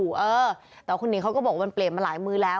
เออแต่คุณหิงเขาก็บอกว่ามันเปลี่ยนมาหลายมือแล้ว